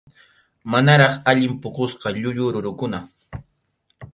Manaraq allin puqusqa llullu rurukuna.